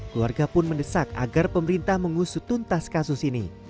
keluarga pun mendesak agar pemerintah mengusut tuntas kasus ini